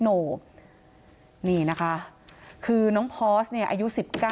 นี่นะคะคือน้องพอสเนี่ยอายุ๑๙